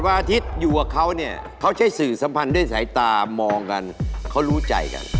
อาทิตย์อยู่กับเขาเนี่ยเขาใช้สื่อสัมพันธ์ด้วยสายตามองกันเขารู้ใจกัน